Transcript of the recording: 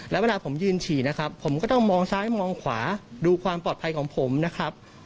แล้วเวลาผมยืนฉี่นะครับผมก็ต้องมองซ้ายมองขวาดูความปลอดภัยของผมนะครับ